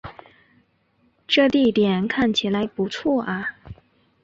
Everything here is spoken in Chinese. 这地点看起来不错啊